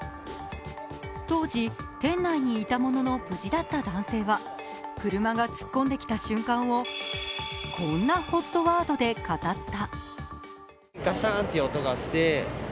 当時、店内にいたものの無事だった男性は車が突っ込んできた瞬間をこんなＨＯＴワードで語った。